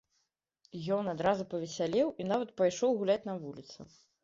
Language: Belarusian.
Ён адразу павесялеў і нават пайшоў гуляць на вуліцу.